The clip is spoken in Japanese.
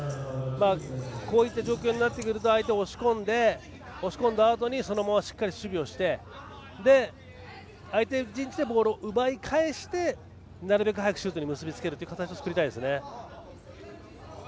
こういった状況になってくると相手を押し込んで押し込んだあとにそのまましっかり守備をして相手陣地でボールを奪い返してなるべく早くシュートに結びつける形を作りたいですね。